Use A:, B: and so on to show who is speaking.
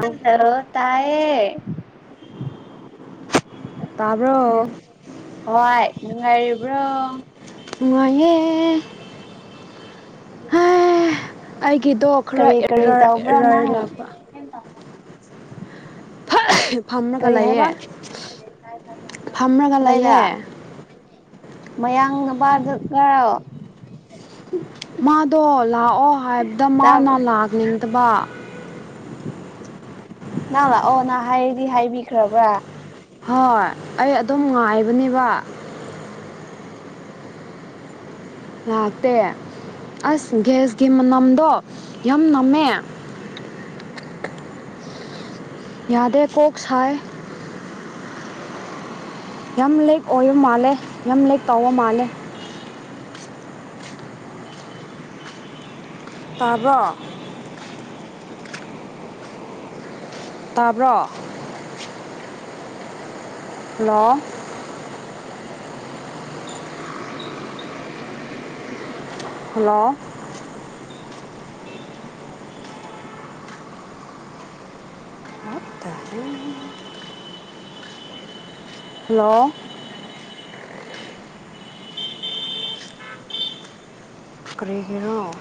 A: ꯑꯧ
B: ꯍꯜꯂꯣ ꯇꯥꯏꯌꯦ
A: ꯇꯕ꯭ꯔꯣ
B: ꯍꯣꯏ ꯅꯨꯡꯉꯥꯏꯔꯤꯕ꯭ꯔꯣ
A: ꯅꯨꯡꯉꯥꯏꯌꯦ ꯑꯩꯒꯤꯗꯣ ꯈꯔ
B: ꯀꯔꯤ ꯀꯔꯤ
A: ꯑꯦꯔꯔ
B: ꯇꯧꯕ꯭ꯔꯣ
A: ꯑꯦꯔꯔ
B: ꯅꯪ
A: ꯂꯥꯛꯄ ꯐꯝꯔꯒ
B: ꯀꯔꯤ ꯍꯥꯏꯕ
A: ꯂꯩꯌꯦꯦ ꯐꯝꯔꯒ
B: ꯀꯗꯥꯏꯗ
A: ꯂꯩꯌꯦꯦ
B: ꯃꯌꯥꯡ ꯅꯨ ꯕꯥꯔꯗ
A: ꯃꯥꯗꯣ ꯂꯥꯛꯑꯣ ꯍꯥꯏꯕꯗ ꯃꯥꯅ ꯂꯥꯛꯅꯤꯡꯗꯕ
B: ꯅꯪ ꯂꯥꯛꯑꯣ ꯅꯍ ꯍꯥꯏꯗꯤ ꯍꯥꯏꯕꯤꯈ꯭ꯔꯕ꯭ꯔꯥ
A: ꯍꯣꯏ ꯑꯩ ꯑꯗꯨꯝ ꯉꯥꯏꯕꯅꯦꯕ ꯂꯥꯛꯇꯦ ꯑꯁ ꯒ꯭ꯌꯥꯁꯀꯤ ꯃꯅꯝꯗꯣ ꯌꯥꯝ ꯅꯝꯃꯦ ꯌꯥꯗ꯭ꯔꯦ ꯀꯣꯛ ꯁꯥꯏ ꯌꯥꯝ ꯂꯦꯛ ꯑꯣꯏꯕ ꯃꯥꯜꯂꯦ ꯌꯥꯝ ꯂꯦꯛ ꯇꯥꯎꯕ ꯃꯥꯜꯂꯦ ꯇꯥꯕꯔꯣ ꯇꯥꯕ꯭ꯔꯣ ꯍꯦꯂꯣ ꯍꯦꯂꯣ ꯇ ꯍꯜꯂꯣ ꯆ ꯀ꯭ꯔꯤ ꯍꯔꯣ